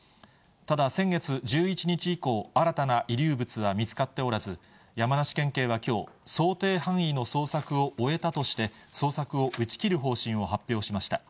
ただ、先月１１日以降、新たな遺留物は見つかっておらず、山梨県警はきょう、想定範囲の捜索を終えたとして、捜索を打ち切る方針を発表しました。